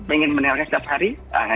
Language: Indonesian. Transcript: ingin mendengarkan setiap hari